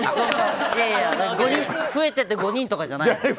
いやいや増えて５人とかじゃないです！